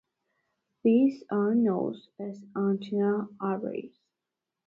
These are known as "antenna arrays".